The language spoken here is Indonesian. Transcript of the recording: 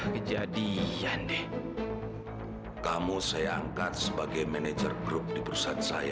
kejadian deh kamu saya angkat sebagai manajer grup di perusahaan saya